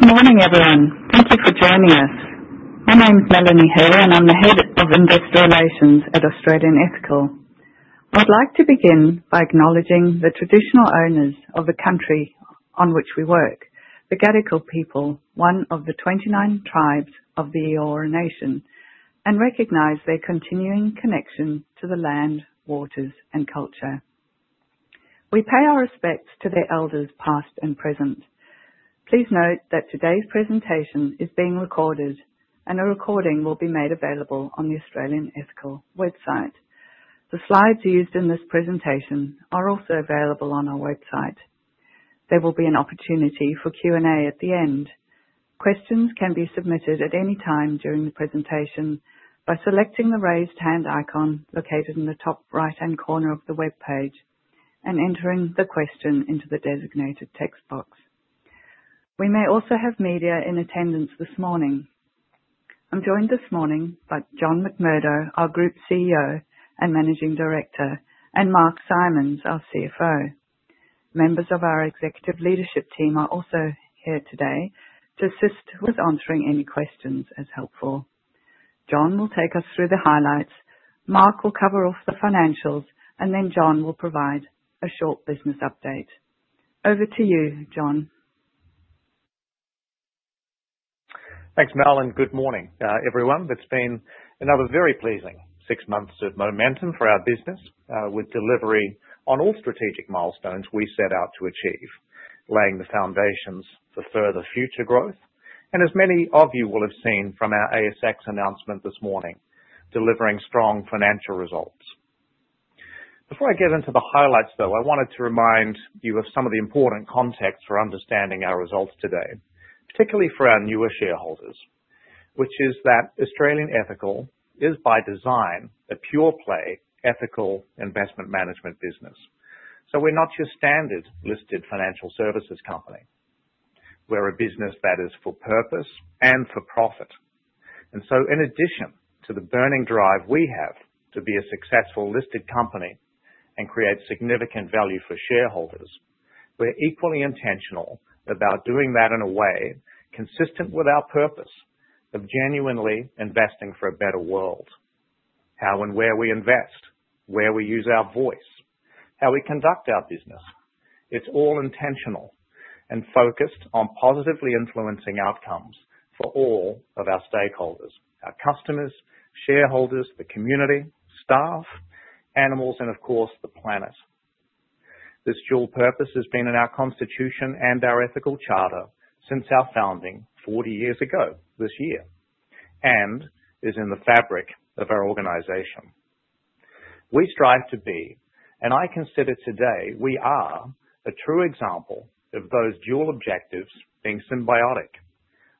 Good morning, everyone. Thank you for joining us. My name is Melanie Hill, and I'm the Head of Investor Relations at Australian Ethical. I'd like to begin by acknowledging the traditional owners of the country on which we work, the Gadigal people, one of the 29 tribes of the Eora Nation, and recognize their continuing connection to the land, waters, and culture. We pay our respects to their elders, past and present. Please note that today's presentation is being recorded, and a recording will be made available on the Australian Ethical website. The slides used in this presentation are also available on our website. There will be an opportunity for Q&A at the end. Questions can be submitted at any time during the presentation by selecting the raised hand icon located in the top right-hand corner of the webpage and entering the question into the designated text box. We may also have media in attendance this morning. I'm joined this morning by John McMurdo, our Group CEO and Managing Director, and Mark Simons, our CFO. Members of our executive leadership team are also here today to assist with answering any questions as helpful. John will take us through the highlights, Mark will cover off the financials, and then John will provide a short business update. Over to you, John. Thanks, Mel, good morning, everyone. It's been another very pleasing 6 months of momentum for our business, with delivery on all strategic milestones we set out to achieve, laying the foundations for further future growth. As many of you will have seen from our ASX announcement this morning, delivering strong financial results. Before I get into the highlights, though, I wanted to remind you of some of the important context for understanding our results today, particularly for our newer shareholders, which is that Australian Ethical is, by design, a pure-play ethical investment management business. We're not your standard listed financial services company. We're a business that is for purpose and for profit. In addition to the burning drive we have to be a successful listed company and create significant value for shareholders, we're equally intentional about doing that in a way consistent with our purpose of genuinely investing for a better world. How and where we invest, where we use our voice, how we conduct our business, it's all intentional and focused on positively influencing outcomes for all of our stakeholders, our customers, shareholders, the community, staff, animals, and of course, the planet. This dual purpose has been in our constitution and our ethical charter since our founding 40 years ago this year, and is in the fabric of our organization. We strive to be, and I consider today, we are a true example of those dual objectives being symbiotic,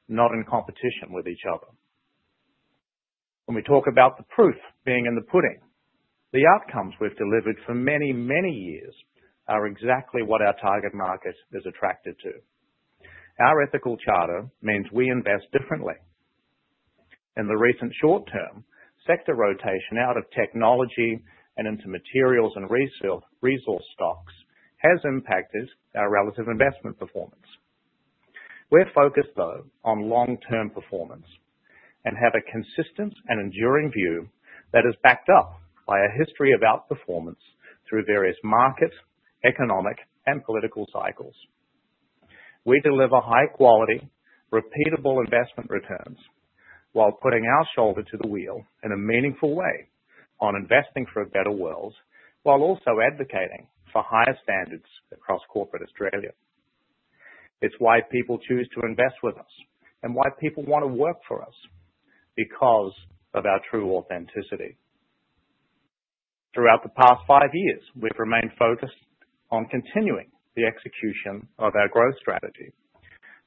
not in competition with each other. When we talk about the proof being in the pudding, the outcomes we've delivered for many, many years are exactly what our target market is attracted to. Our ethical charter means we invest differently. In the recent short term, sector rotation out of technology and into materials and resource stocks has impacted our relative investment performance. We're focused, though, on long-term performance and have a consistent and enduring view that is backed up by a history of outperformance through various market, economic, and political cycles. We deliver high quality, repeatable investment returns while putting our shoulder to the wheel in a meaningful way on investing for a better world, while also advocating for higher standards across corporate Australia. It's why people choose to invest with us and why people want to work for us, because of our true authenticity. Throughout the past 5 years, we've remained focused on continuing the execution of our growth strategy,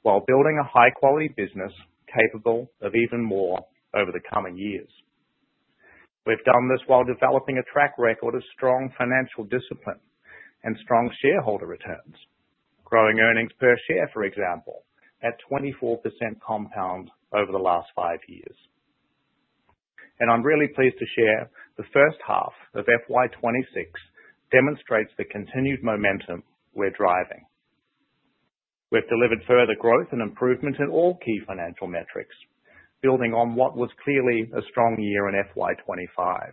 while building a high-quality business capable of even more over the coming years. We've done this while developing a track record of strong financial discipline and strong shareholder returns, growing earnings per share, for example, at 24% compound over the last 5 years. I'm really pleased to share the first half of FY26 demonstrates the continued momentum we're driving. We've delivered further growth and improvement in all key financial metrics, building on what was clearly a strong year in FY25.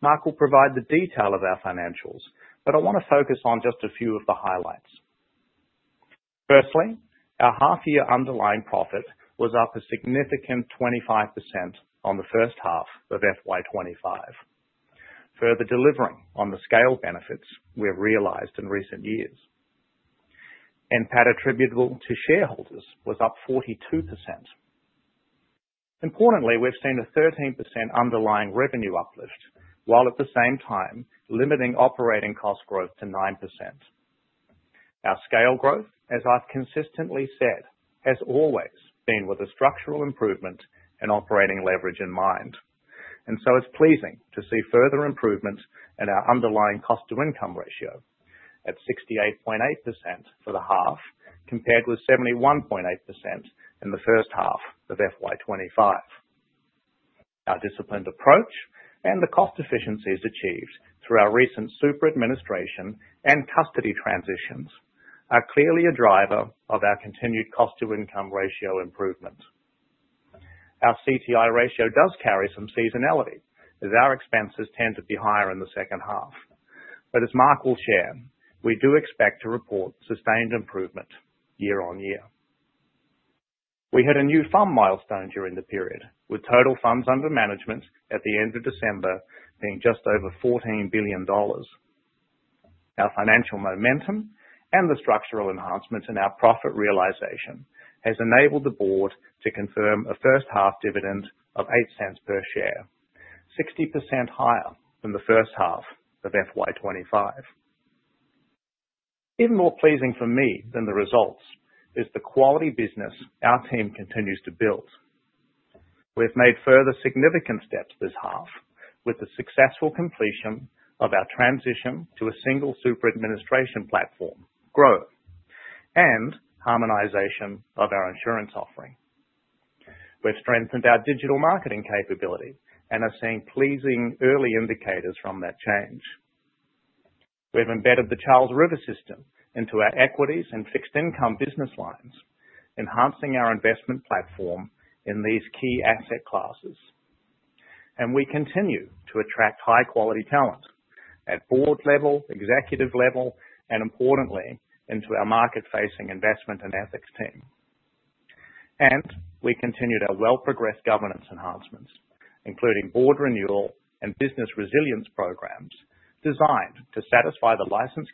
Mark will provide the detail of our financials, but I want to focus on just a few of the highlights. Firstly, our half-year underlying profit was up a significant 25% on the first half of FY25, further delivering on the scale benefits we've realized in recent years. NPAT attributable to shareholders was up 42%. Importantly, we've seen a 13% underlying revenue uplift, while at the same time limiting operating cost growth to 9%. Our scale growth, as I've consistently said, has always been with a structural improvement in operating leverage in mind, and so it's pleasing to see further improvements in our underlying cost to income ratio at 68.8% for the half, compared with 71.8% in the first half of FY25. Our disciplined approach and the cost efficiencies achieved through our recent super administration and custody transitions are clearly a driver of our continued cost-to-income ratio improvement. Our CTI ratio does carry some seasonality, as our expenses tend to be higher in the second half. As Mark will share, we do expect to report sustained improvement year-on-year. We hit a new fund milestone during the period, with total funds under management at the end of December being just over 14 billion dollars. Our financial momentum and the structural enhancements in our profit realization has enabled the board to confirm a first half dividend of 0.08 per share, 60% higher than the first half of FY25. Even more pleasing for me than the results, is the quality business our team continues to build. We've made further significant steps this half with the successful completion of our transition to a single super administration platform, GROW, and harmonization of our insurance offering. We've strengthened our digital marketing capability and are seeing pleasing early indicators from that change. We've embedded the Charles River system into our equities and fixed income business lines, enhancing our investment platform in these key asset classes. We continue to attract high quality talent at board level, executive level, and importantly, into our market-facing investment and ethics team. We continued our well progressed governance enhancements, including board renewal and business resilience programs designed to satisfy the license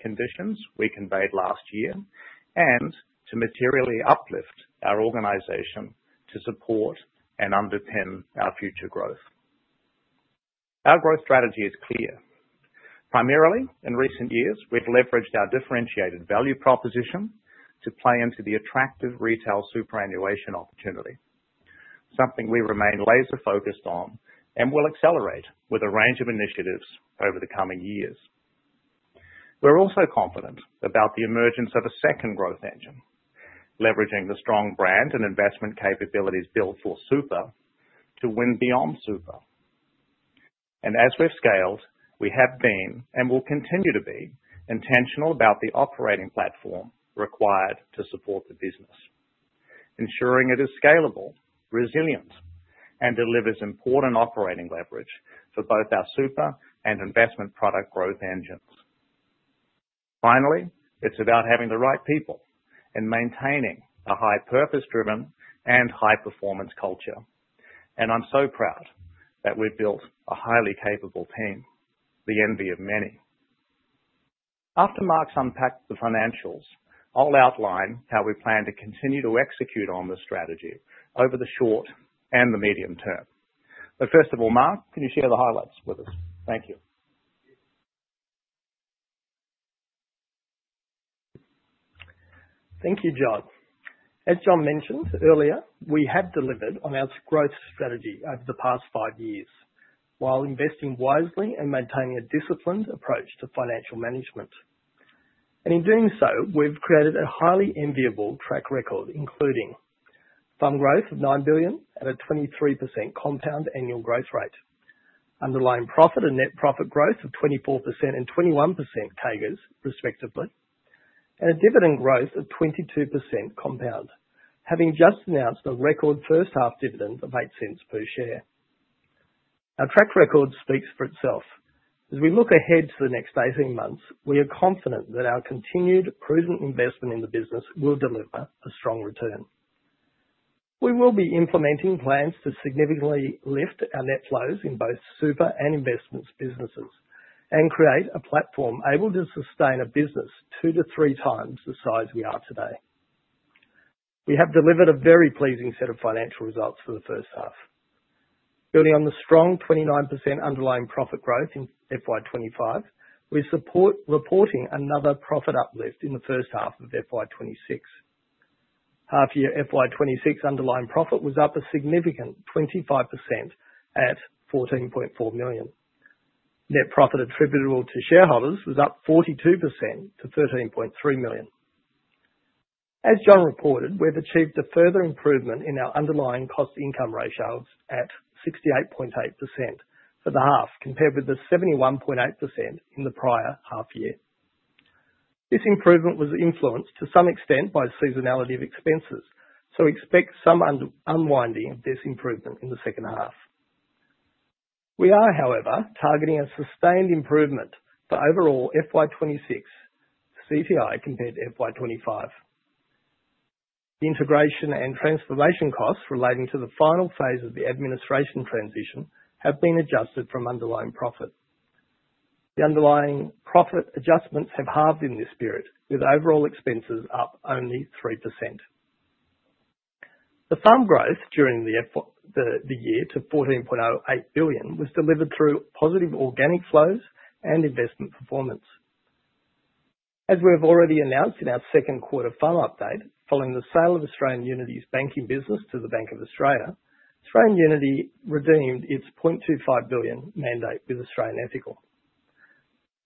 conditions we conveyed last year, and to materially uplift our organization to support and underpin our future growth. Our growth strategy is clear. Primarily, in recent years, we've leveraged our differentiated value proposition to play into the attractive retail superannuation opportunity. Something we remain laser focused on and will accelerate with a range of initiatives over the coming years. We're also confident about the emergence of a second growth engine, leveraging the strong brand and investment capabilities built for Super to win beyond Super. As we've scaled, we have been, and will continue to be, intentional about the operating platform required to support the business. Ensuring it is scalable, resilient, and delivers important operating leverage for both our super and investment product growth engines. Finally, it's about having the right people and maintaining a high purpose-driven and high-performance culture. I'm so proud that we've built a highly capable team, the envy of many. After Mark's unpacked the financials, I'll outline how we plan to continue to execute on the strategy over the short and the medium term. First of all, Mark, can you share the highlights with us? Thank you. Thank you, John. As John mentioned earlier, we have delivered on our growth strategy over the past 5 years, while investing wisely and maintaining a disciplined approach to financial management. In doing so, we've created a highly enviable track record, including fund growth of 9 billion at a 23% compound annual growth rate, underlying profit and net profit growth of 24% and 21% CAGRs, respectively, and a dividend growth of 22% compound, having just announced a record first half dividend of 0.08 per share. Our track record speaks for itself. As we look ahead to the next 18 months, we are confident that our continued prudent investment in the business will deliver a strong return. We will be implementing plans to significantly lift our net flows in both super and investments businesses, and create a platform able to sustain a business 2 to 3 times the size we are today. We have delivered a very pleasing set of financial results for the first half. Building on the strong 29% underlying profit growth in FY25, we support reporting another profit uplift in the first half of FY26. Half year FY26 underlying profit was up a significant 25% at AUD 14.4 million. Net profit attributable to shareholders was up 42% to 13.3 million. As John reported, we've achieved a further improvement in our underlying cost income ratios at 68.8% for the half, compared with the 71.8% in the prior half year. This improvement was influenced to some extent by seasonality of expenses, so expect some unwinding of this improvement in the second half. We are, however, targeting a sustained improvement for overall FY26 CTI compared to FY25. The integration and transformation costs relating to the final phase of the administration transition have been adjusted from underlying profit. The underlying profit adjustments have halved in this period, with overall expenses up only 3%. The fund growth during the year to 14.08 billion was delivered through positive organic flows and investment performance. As we have already announced in our second quarter fund update, following the sale of Australian Unity's banking business to Bank Australia, Australian Unity redeemed its 0.25 billion mandate with Australian Ethical....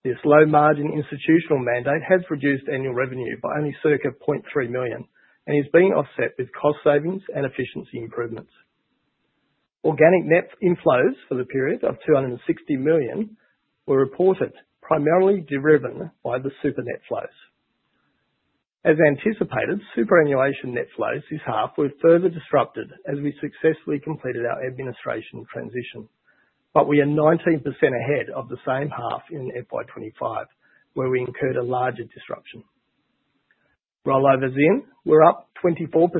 This low margin institutional mandate has reduced annual revenue by only circa 0.3 million, is being offset with cost savings and efficiency improvements. Organic net inflows for the period of 260 million were reported, primarily driven by the supernet flows. As anticipated, superannuation net flows this half were further disrupted as we successfully completed our administration transition. We are 19% ahead of the same half in FY25, where we incurred a larger disruption. Rollovers in were up 24%.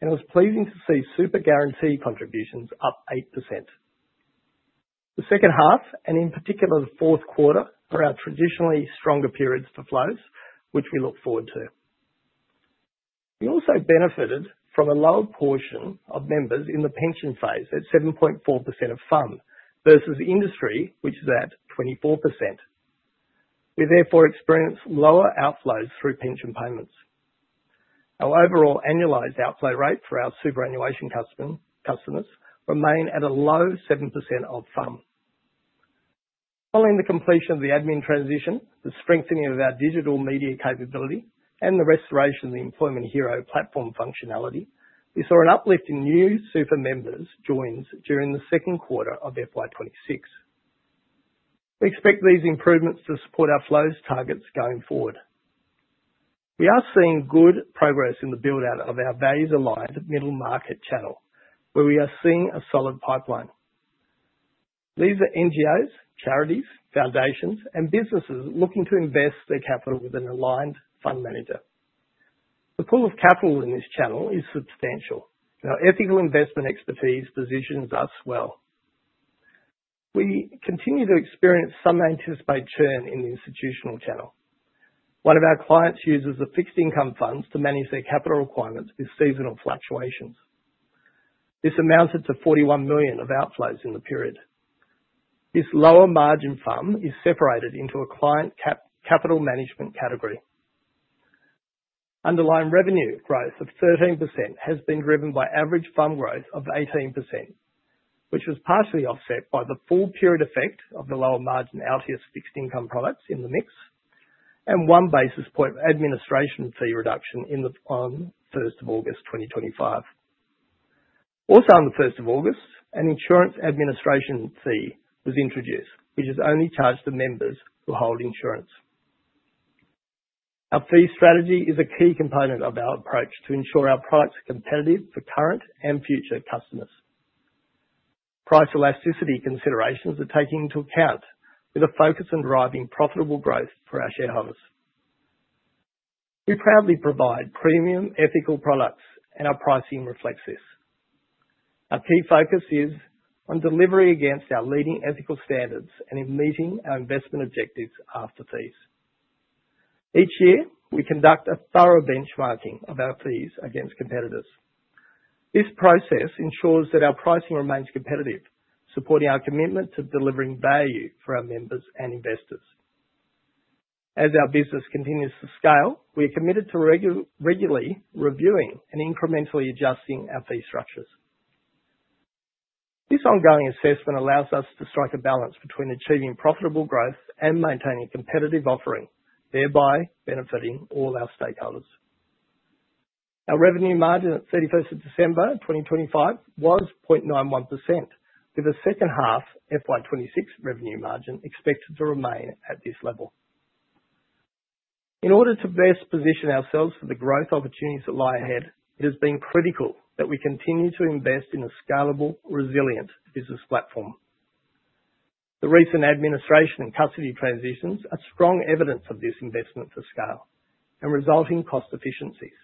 It was pleasing to see super guarantee contributions up 8%. The second half, in particular, the fourth quarter, are our traditionally stronger periods for flows, which we look forward to. We also benefited from a lower portion of members in the pension phase at 7.4% of fund, versus industry, which is at 24%. We therefore experienced lower outflows through pension payments. Our overall annualized outflow rate for our superannuation customers remain at a low 7% of fund. Following the completion of the admin transition, the strengthening of our digital media capability, and the restoration of the Employment Hero platform functionality, we saw an uplift in new super members joins during the second quarter of FY26. We expect these improvements to support our flows targets going forward. We are seeing good progress in the build-out of our values aligned middle market channel, where we are seeing a solid pipeline. These are NGOs, charities, foundations, and businesses looking to invest their capital with an aligned fund manager. The pool of capital in this channel is substantial. Our ethical investment expertise positions us well. We continue to experience some anticipated churn in the institutional channel. One of our clients uses the fixed income funds to manage their capital requirements with seasonal fluctuations. This amounted to 41 million of outflows in the period. This lower margin fund is separated into a client capital management category. Underlying revenue growth of 13% has been driven by average fund growth of 18%, which was partially offset by the full period effect of the lower margin Altius fixed income products in the mix, and 1 basis point of administration fee reduction on the first of August 2025. On the first of August, an insurance administration fee was introduced, which is only charged to members who hold insurance. Our fee strategy is a key component of our approach to ensure our products are competitive for current and future customers. Price elasticity considerations are taken into account, with a focus on driving profitable growth for our shareholders. We proudly provide premium ethical products, our pricing reflects this. Our key focus is on delivering against our leading ethical standards and in meeting our investment objectives after fees. Each year, we conduct a thorough benchmarking of our fees against competitors. This process ensures that our pricing remains competitive, supporting our commitment to delivering value for our members and investors. As our business continues to scale, we are committed to regularly reviewing and incrementally adjusting our fee structures. This ongoing assessment allows us to strike a balance between achieving profitable growth and maintaining competitive offering, thereby benefiting all our stakeholders. Our revenue margin at December 31, 2025, was 0.91%, with a second half FY26 revenue margin expected to remain at this level. In order to best position ourselves for the growth opportunities that lie ahead, it has been critical that we continue to invest in a scalable, resilient business platform. The recent administration and custody transitions are strong evidence of this investment to scale and resulting cost efficiencies.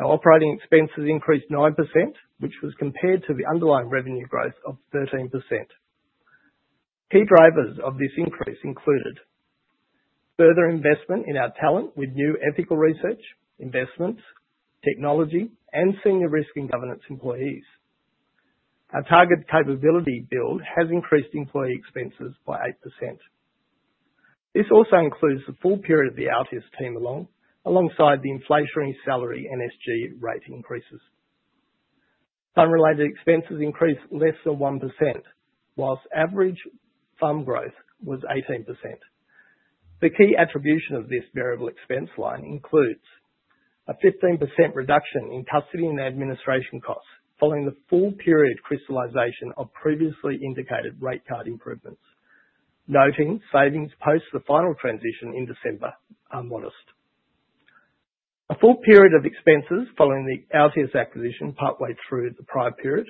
Our operating expenses increased 9%, which was compared to the underlying revenue growth of 13%. Key drivers of this increase included: further investment in our talent with new ethical research, investments, technology, and senior risk and governance employees. Our target capability build has increased employee expenses by 8%. This also includes the full period of the Altius team alongside the inflationary salary and SG rate increases. Fund-related expenses increased less than 1%, while average fund growth was 18%. The key attribution of this variable expense line includes a 15% reduction in custody and administration costs, following the full period crystallization of previously indicated rate card improvements, noting savings post the final transition in December are modest. A full period of expenses following the Altius acquisition partway through the prior period,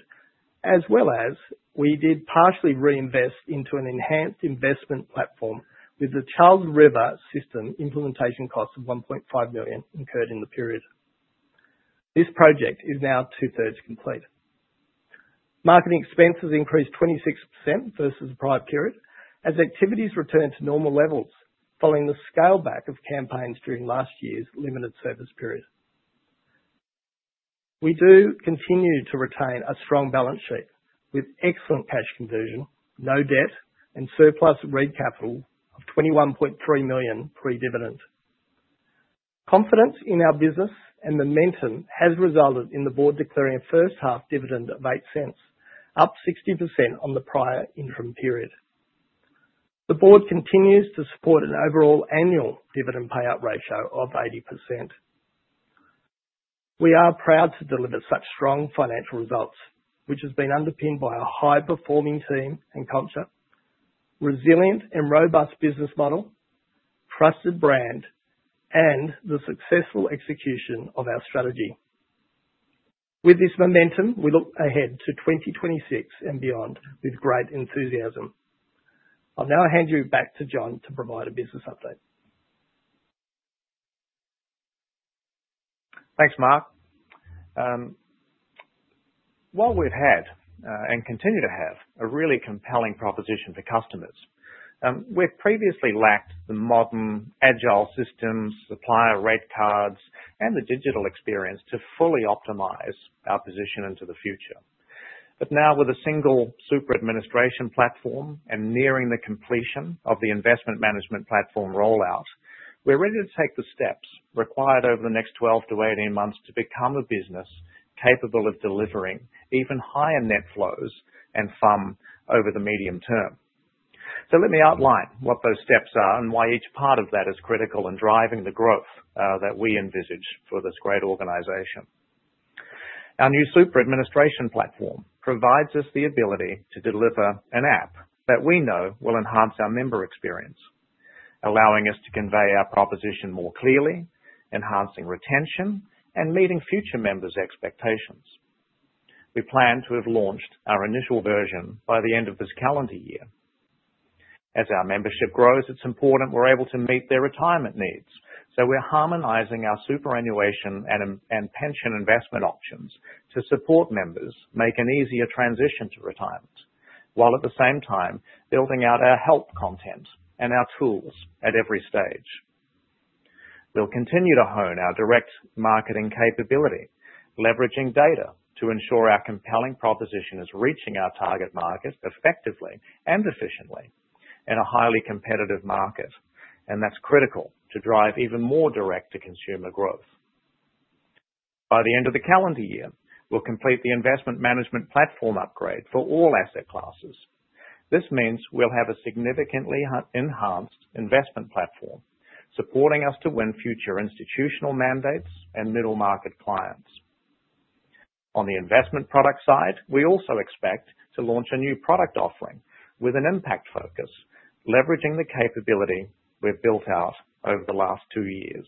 as well as we did partially reinvest into an enhanced investment platform with the Charles River system implementation cost of 1.5 million incurred in the period. This project is now two-thirds complete. Marketing expenses increased 26% versus the prior period, as activities returned to normal levels following the scale back of campaigns during last year's limited service period. We do continue to retain a strong balance sheet with excellent cash conversion, no debt, and surplus REIT capital of 21.3 million pre-dividend. Confidence in our business and momentum has resulted in the board declaring a first half dividend of 0.08, up 60% on the prior interim period. The board continues to support an overall annual dividend payout ratio of 80%. We are proud to deliver such strong financial results, which has been underpinned by a high-performing team and culture, resilient and robust business model, trusted brand, and the successful execution of our strategy. With this momentum, we look ahead to 2026 and beyond with great enthusiasm. I'll now hand you back to John to provide a business update. Thanks, Mark. While we've had and continue to have a really compelling proposition for customers, we've previously lacked the modern agile systems, supplier rate cards, and the digital experience to fully optimize our position into the future. Now with a single super administration platform and nearing the completion of the investment management platform rollout, we're ready to take the steps required over the next 12 to 18 months to become a business capable of delivering even higher net flows and FUM over the medium term. Let me outline what those steps are and why each part of that is critical in driving the growth that we envisage for this great organization. Our new super administration platform provides us the ability to deliver an app that we know will enhance our member experience, allowing us to convey our proposition more clearly, enhancing retention, and meeting future members' expectations. We plan to have launched our initial version by the end of this calendar year. As our membership grows, it's important we're able to meet their retirement needs, we're harmonizing our superannuation and pension investment options to support members make an easier transition to retirement, while at the same time building out our help content and our tools at every stage. We'll continue to hone our direct marketing capability, leveraging data to ensure our compelling proposition is reaching our target market effectively and efficiently in a highly competitive market, that's critical to drive even more direct to consumer growth. By the end of the calendar year, we'll complete the investment management platform upgrade for all asset classes. This means we'll have a significantly enhanced investment platform, supporting us to win future institutional mandates and middle market clients. On the investment product side, we also expect to launch a new product offering with an impact focus, leveraging the capability we've built out over the last two years.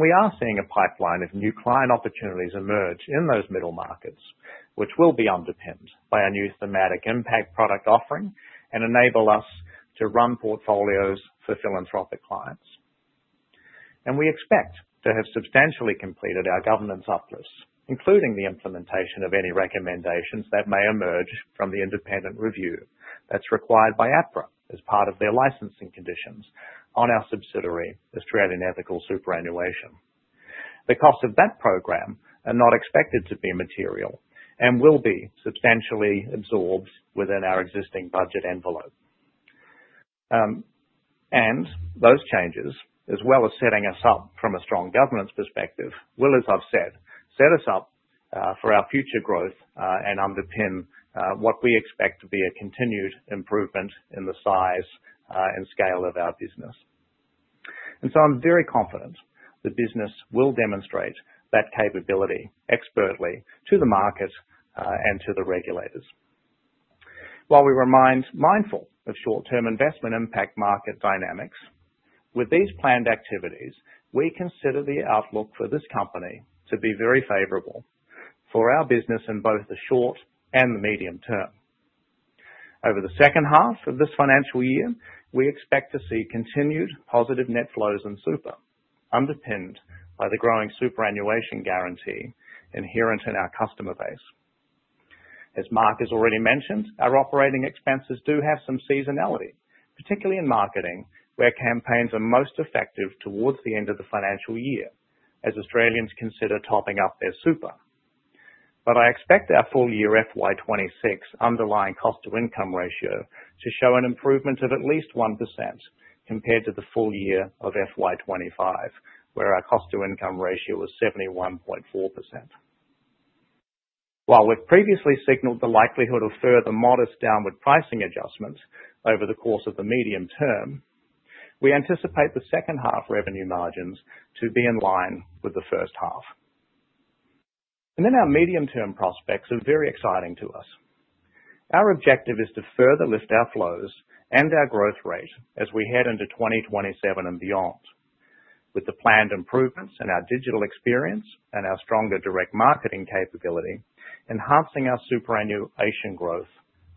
We are seeing a pipeline of new client opportunities emerge in those middle markets, which will be underpinned by our new thematic impact product offering and enable us to run portfolios for philanthropic clients. We expect to have substantially completed our governance updates, including the implementation of any recommendations that may emerge from the independent review that's required by APRA as part of their licensing conditions on our subsidiary, Australian Ethical Superannuation. The cost of that program are not expected to be material and will be substantially absorbed within our existing budget envelope. Those changes, as well as setting us up from a strong governance perspective, will, as I've said, set us up, for our future growth, and underpin, what we expect to be a continued improvement in the size, and scale of our business. I'm very confident the business will demonstrate that capability expertly to the market, and to the regulators. While we mindful of short-term investment impact market dynamics, with these planned activities, we consider the outlook for this company to be very favorable for our business in both the short and the medium term. Over the second half of this financial year, we expect to see continued positive net flows in super, underpinned by the growing superannuation guarantee inherent in our customer base. As Mark has already mentioned, our operating expenses do have some seasonality, particularly in marketing, where campaigns are most effective towards the end of the financial year, as Australians consider topping up their super. I expect our full year FY26 underlying cost to income ratio to show an improvement of at least 1% compared to the full year of FY25, where our cost to income ratio was 71.4%. While we've previously signaled the likelihood of further modest downward pricing adjustments over the course of the medium term, we anticipate the second half revenue margins to be in line with the first half. Our medium term prospects are very exciting to us. Our objective is to further lift our flows and our growth rate as we head into 2027 and beyond. With the planned improvements in our digital experience and our stronger direct marketing capability, enhancing our superannuation growth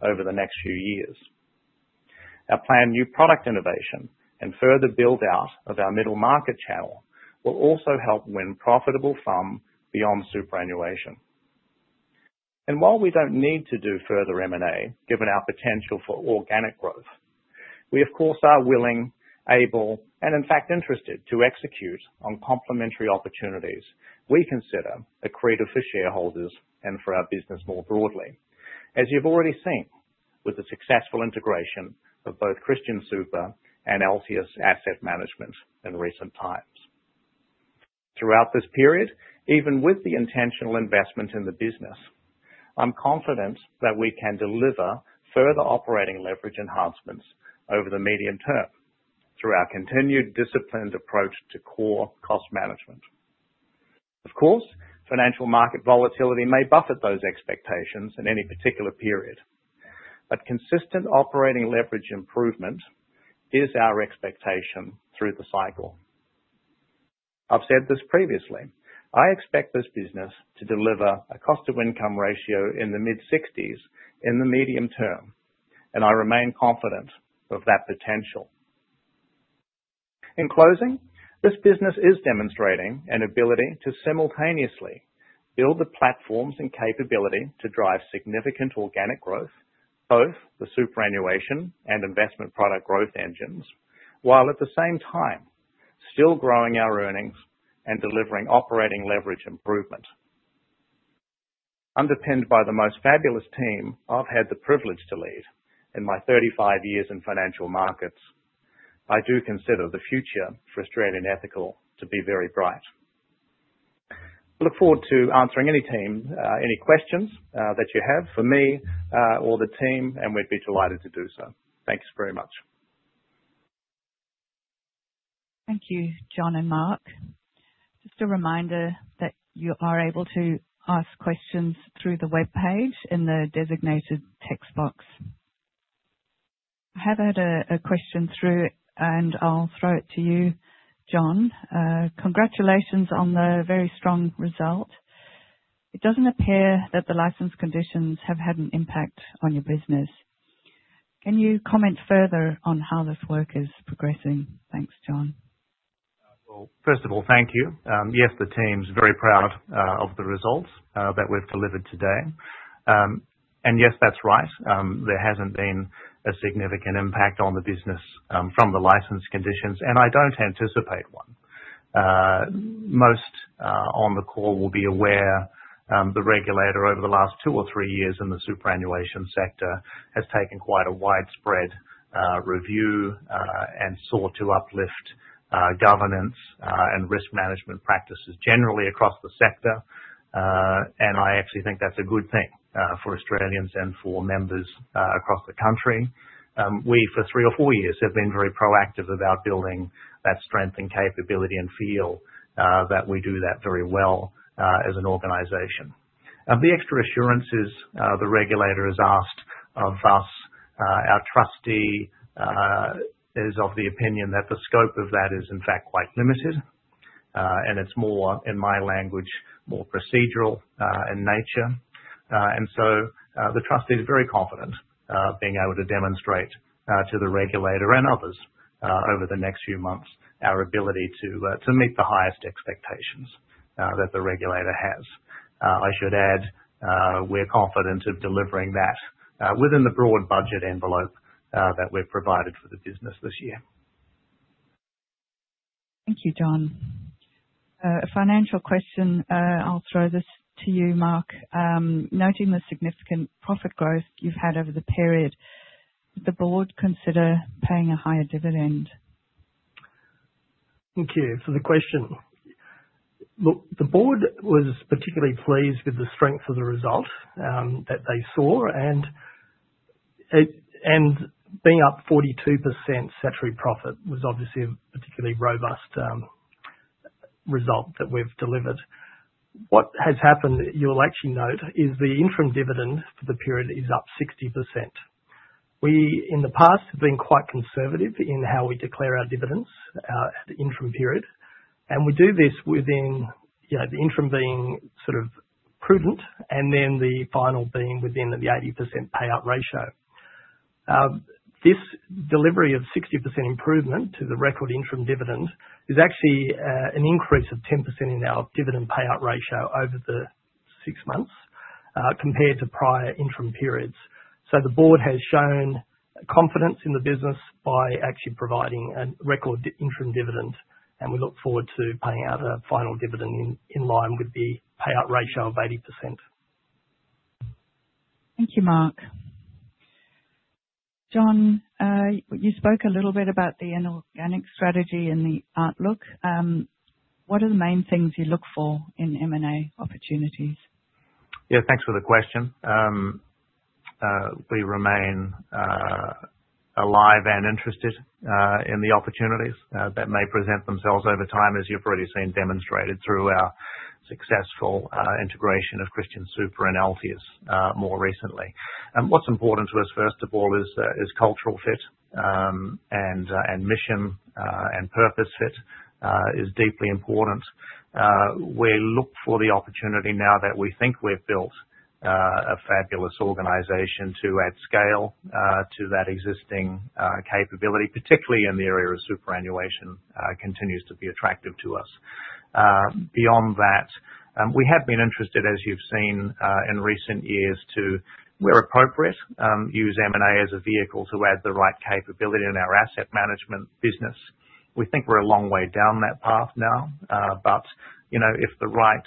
over the next few years. Our planned new product innovation and further build-out of our middle market channel will also help win profitable FUM beyond superannuation. While we don't need to do further M&A, given our potential for organic growth, we of course, are willing, able, and in fact, interested to execute on complementary opportunities we consider accretive for shareholders and for our business more broadly. As you've already seen with the successful integration of both Christian Super and Altius Asset Management in recent times. Throughout this period, even with the intentional investment in the business, I'm confident that we can deliver further operating leverage enhancements over the medium term through our continued disciplined approach to core cost management. Of course, financial market volatility may buffet those expectations in any particular period, but consistent operating leverage improvement is our expectation through the cycle. I've said this previously: I expect this business to deliver a cost of income ratio in the mid-60s in the medium term, and I remain confident of that potential. In closing, this business is demonstrating an ability to simultaneously build the platforms and capability to drive significant organic growth, both the superannuation and investment product growth engines, while at the same time, still growing our earnings and delivering operating leverage improvement. Underpinned by the most fabulous team I've had the privilege to lead in my 35 years in financial markets, I do consider the future for Australian Ethical to be very bright. Look forward to answering any team, any questions, that you have for me, or the team, and we'd be delighted to do so. Thanks very much. Thank you, John and Mark. Just a reminder that you are able to ask questions through the webpage in the designated text box. I have had a question through, and I'll throw it to you, John. Congratulations on the very strong result. It doesn't appear that the license conditions have had an impact on your business. Can you comment further on how this work is progressing? Thanks, John. Well, first of all, thank you. Yes, the team's very proud of the results that we've delivered today. Yes, that's right. There hasn't been a significant impact on the business from the license conditions, and I don't anticipate one. Most on the call will be aware, the regulator over the last 2 or 3 years in the superannuation sector has taken quite a widespread review and sought to uplift governance and risk management practices generally across the sector. I actually think that's a good thing for Australians and for members across the country. We, for 3 or 4 years, have been very proactive about building that strength and capability and feel that we do that very well as an organization. The extra assurances the regulator has asked of us, our trustee is of the opinion that the scope of that is, in fact, quite limited, and it's more, in my language, more procedural in nature. The trustee is very confident being able to demonstrate to the regulator and others over the next few months, our ability to meet the highest expectations that the regulator has. I should add, we're confident of delivering that within the broad budget envelope that we've provided for the business this year. Thank you, John, a financial question, I'll throw this to you, Mark, noting the significant profit growth you've had over the period, would the board consider paying a higher dividend? Thank you for the question. Look, the board was particularly pleased with the strength of the result that they saw. Being up 42% statutory profit was obviously a particularly robust result that we've delivered. What has happened, you'll actually note, is the interim dividend for the period is up 60%. We, in the past, have been quite conservative in how we declare our dividends at the interim period, and we do this within, you know, the interim being sort of prudent and then the final being within the 80% payout ratio. This delivery of 60% improvement to the record interim dividend is actually an increase of 10% in our dividend payout ratio over the six months compared to prior interim periods. The board has shown confidence in the business by actually providing a record interim dividend, and we look forward to paying out a final dividend in line with the payout ratio of 80%. Thank you, Mark. John, you spoke a little bit about the inorganic strategy and the outlook. What are the main things you look for in M&A opportunities? Yeah, thanks for the question. We remain alive and interested in the opportunities that may present themselves over time, as you've already seen demonstrated through our successful integration of Christian Super and Altius more recently. What's important to us, first of all, is cultural fit, and mission and purpose fit is deeply important. We look for the opportunity now that we think we've built a fabulous organization to add scale to that existing capability, particularly in the area of superannuation, continues to be attractive to us. Beyond that, we have been interested, as you've seen in recent years, to, where appropriate, use M&A as a vehicle to add the right capability in our asset management business. We think we're a long way down that path now. You know, if the right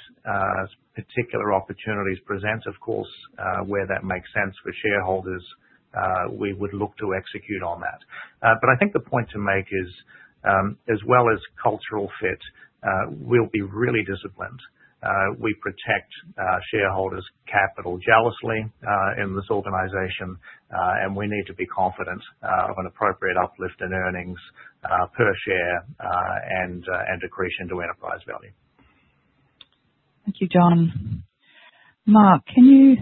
particular opportunities present, of course, where that makes sense for shareholders, we would look to execute on that. I think the point to make is, as well as cultural fit, we'll be really disciplined. We protect shareholders' capital jealously, in this organization, and we need to be confident of an appropriate uplift in earnings per share, and accretion to enterprise value. Thank you, John. Mark, can you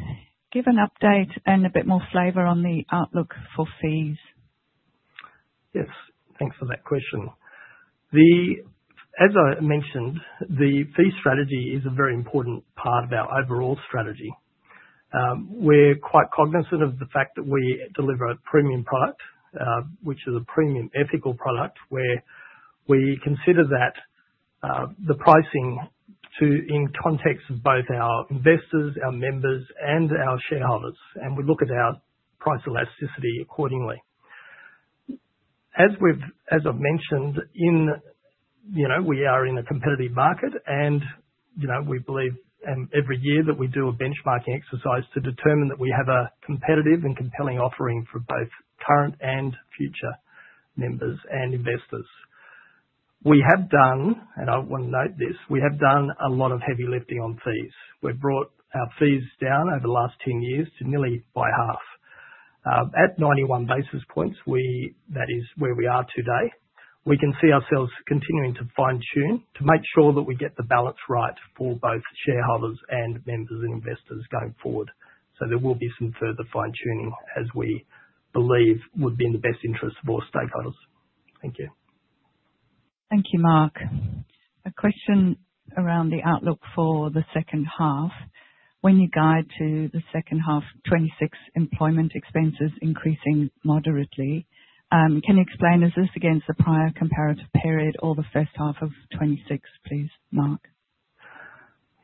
give an update and a bit more flavor on the outlook for fees? Yes, thanks for that question. As I mentioned, the fee strategy is a very important part of our overall strategy. We're quite cognizant of the fact that we deliver a premium product, which is a premium ethical product, where we consider that the pricing to, in context of both our investors, our members, and our shareholders, and we look at our price elasticity accordingly. As I've mentioned, You know, we are in a competitive market and, you know, we believe every year that we do a benchmarking exercise to determine that we have a competitive and compelling offering for both current and future members and investors. We have done, and I wanna note this, we have done a lot of heavy lifting on fees. We've brought our fees down over the last 10 years to nearly by half. At 91 basis points, that is where we are today. We can see ourselves continuing to fine-tune to make sure that we get the balance right for both shareholders and members and investors going forward. There will be some further fine-tuning as we believe would be in the best interest of all stakeholders. Thank you. Thank you, Mark. A question around the outlook for the second half. When you guide to the second half, 2026 employment expenses increasing moderately, can you explain, is this against the prior comparative period or the first half of 2026, please, Mark?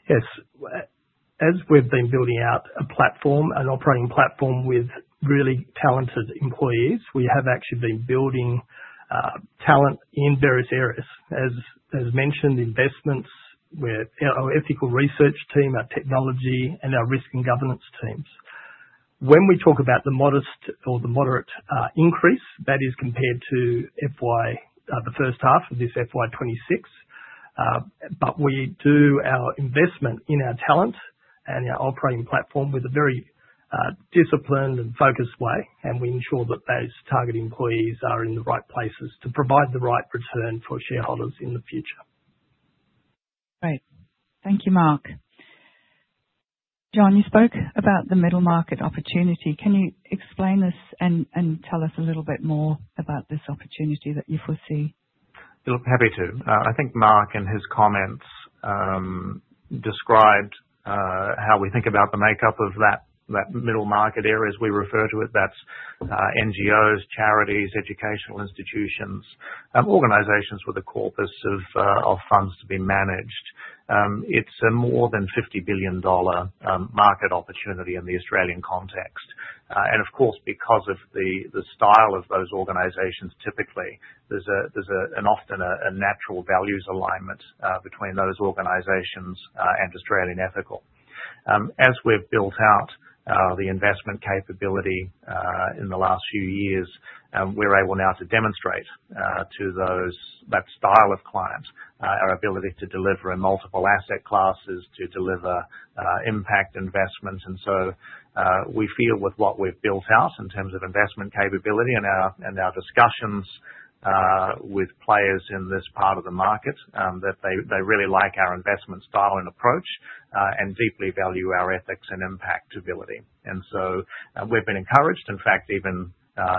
Yes. As we've been building out a platform, an operating platform with really talented employees, we have actually been building talent in various areas. As mentioned, investments, where our ethical research team, our technology, and our risk and governance teams. When we talk about the modest or the moderate increase, that is compared to FY, the first half of this FY26. We do our investment in our talent and our operating platform with a very disciplined and focused way, and we ensure that those target employees are in the right places to provide the right return for shareholders in the future. Great. Thank you, Mark. John, you spoke about the middle market opportunity. Can you explain this and tell us a little bit more about this opportunity that you foresee? Look, happy to. I think Mark, in his comments, described how we think about the makeup of that middle market area, as we refer to it. That's, NGOs, charities, educational institutions, organizations with a corpus of funds to be managed. It's a more than 50 billion dollar market opportunity in the Australian context. Of course, because of the style of those organizations, typically, there's an often a natural values alignment between those organizations and Australian Ethical. As we've built out the investment capability in the last few years, we're able now to demonstrate to those... that style of clients, our ability to deliver in multiple asset classes, to deliver impact investments. We feel with what we've built out in terms of investment capability and our, and our discussions with players in this part of the market, that they really like our investment style and approach and deeply value our ethics and impact ability. We've been encouraged, in fact, even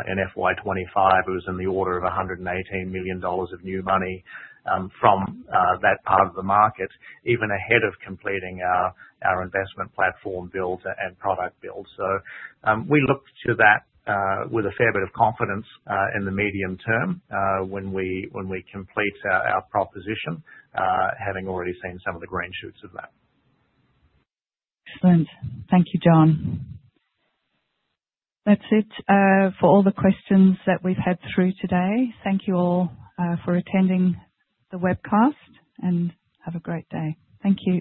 in FY25, it was in the order of 118 million dollars of new money from that part of the market, even ahead of completing our investment platform build and product build. We look to that with a fair bit of confidence in the medium term, when we, when we complete our proposition, having already seen some of the green shoots of that. Excellent. Thank you, John. That's it, for all the questions that we've had through today. Thank you all, for attending the webcast, and have a great day. Thank you.